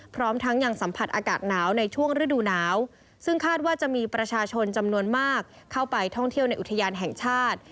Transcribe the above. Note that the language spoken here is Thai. พร้อมทั้งยังสัมผัสอากาศหนาวในช่วงฤดูหนาวซึ่งคาดว่าจะมีประชาชนจำนวนมากเข้าไปท่องเที่ยวในอุทยานแห่งชาติ